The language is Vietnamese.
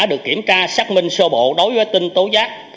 được kiểm tra xác minh sơ bộ đối với tin tố giác